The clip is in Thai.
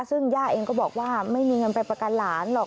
ซึ่งย่าเองก็บอกว่าไม่มีเงินไปประกันหลานหรอก